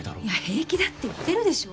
平気だって言ってるでしょ？